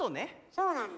そうなんだ。